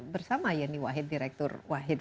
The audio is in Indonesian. bersama yeni wahid direktur wahid